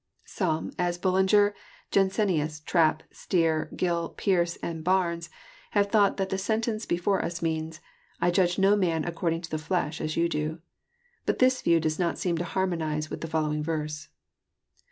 Some, as BuUinger, Jansenius, Trapp, Stier, Gill, Pearce, and Barnes have thought that the sentence before us means, —" I Judge no man according to the flesh, as you do." But this view does not seem to harmonize with the following verse.